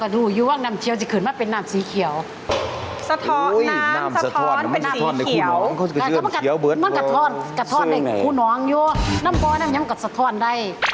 น้ำต์บ่อนี่มันยังแก่สะท้อนได้